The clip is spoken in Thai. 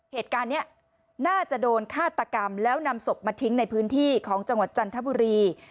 เหตุการณ์นี้น่าจะโดนฆาตกรรมแล้วนำศพมาทิ้งในพื้นที่ของจังหวัดจันทบุรี